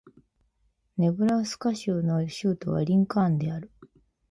ネブラスカ州の州都はリンカーンである